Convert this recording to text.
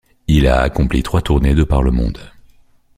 Il a accompli trois tournées de par le monde.